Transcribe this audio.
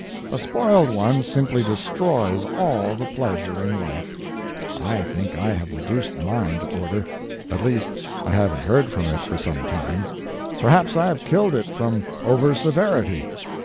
A spoiled one simply destroys all the pleasure in life. I think I have reduced mine to[Pg 177] order. At least, I haven't heard from it for some time. Perhaps I have killed it from over severity.